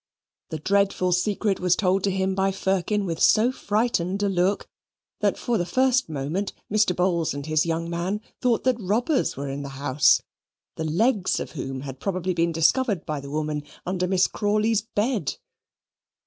The dreadful secret was told to him by Firkin with so frightened a look, that for the first moment Mr. Bowls and his young man thought that robbers were in the house, the legs of whom had probably been discovered by the woman under Miss Crawley's bed.